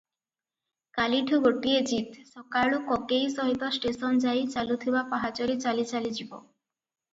କାଲିଠୁ ଗୋଟିଏ ଜିଦ, ସକାଳୁ କକେଇ ସହିତ ଷ୍ଟେସନ ଯାଇ ଚାଲୁଥିବା ପାହାଚରେ ଚାଲି ଚାଲି ଯିବ